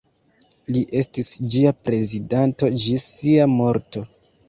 Li estis ĝia prezidanto ĝis sia morto.